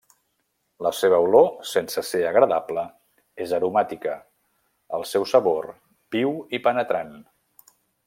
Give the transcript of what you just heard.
La seva olor, sense ser agradable, és aromàtica; el seu sabor, viu i penetrant.